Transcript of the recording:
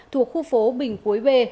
thuộc khu phố bình cuối b